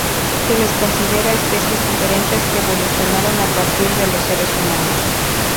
Se les considera especies diferentes, que evolucionaron a partir de los seres humanos.